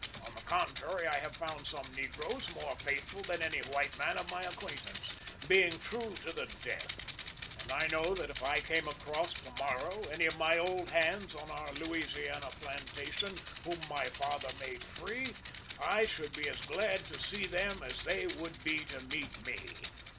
On the contrary, I have found some negroes more faithful than any white man of my acquaintance, being true to the death; and I know that if I came across, to morrow, any of the old hands on our Louisianian plantation whom my father made free, I should be as glad to see them as they would be to meet me.